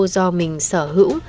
do mình sở hữu